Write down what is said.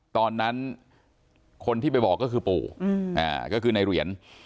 ตอนนั้นคนที่ไปบอกก็คือปู่ก็คือในเหรียญ